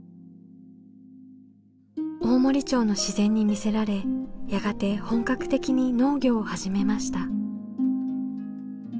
大森町の自然に魅せられやがて本格的に農業を始めました。